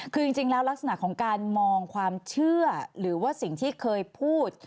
คือจริงแล้วลักษณะของการมองความเชื่อหรือว่าสิ่งที่เคยพูด